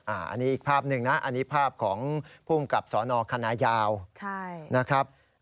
อันนี้อีกภาพหนึ่งนะอันนี้ภาพของภูมิกับสนคณะยาวนะครับ